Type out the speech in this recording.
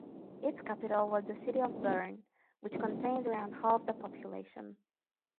Its capital was the city of Bern, which contains around half the population.